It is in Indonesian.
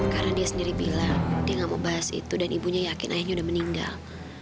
karena dia sendiri bilang dia gak mau bahas itu dan ibunya yakin ayahnya udah meninggal